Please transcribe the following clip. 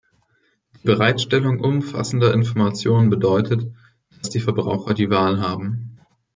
Die Bereitstellung umfassender Informationen bedeutet, dass die Verbraucher die Wahl haben.